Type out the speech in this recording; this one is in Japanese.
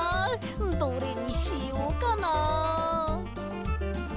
どれにしようかな？